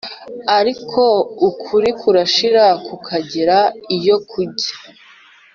ariko ukuri kurashira kukagera iyo kujya.